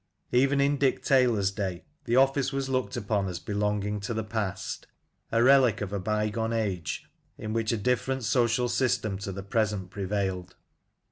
Even in Dick Taylor's day the office was looked upon as belonging to the past — a relic of a bygone age, in which a different social system to the present prevailed.